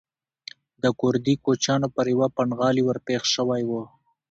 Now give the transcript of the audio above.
د کوردي کوچیانو پر یوه پنډغالي ورپېښ شوی و.